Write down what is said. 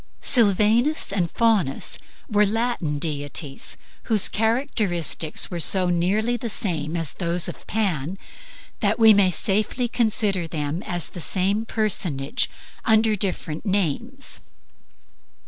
Sylvanus and Faunus were Latin divinities, whose characteristics are so nearly the same as those of Pan that we may safely consider them as the same personage under different names.